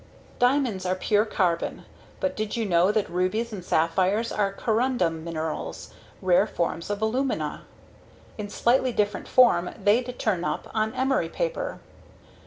Diamonds are pure carbon, but did you know that rubies and sapphires are corundum minerals rare forms of alumina. In slightly different form, they'd turn up on emery paper.